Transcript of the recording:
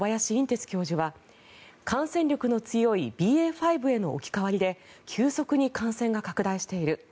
てつ教授は感染力の強いＢＡ．５への置き換わりで急速に感染が拡大している。